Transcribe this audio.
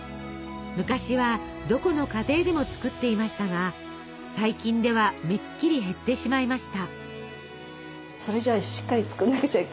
昔はどこの家庭でも作っていましたが最近ではめっきり減ってしまいました。